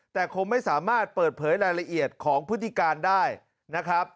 แต่คงไม่สามารถเปิดเผยรายละเอียดของพฤติการได้นะครับ